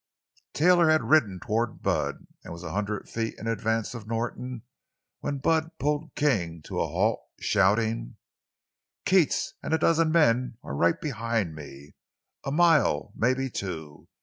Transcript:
Taylor had ridden toward Bud, and was a hundred feet in advance of Norton when Bud pulled King to a halt, shouting: "Keats and a dozen men are right behind me—a mile; mebbe two!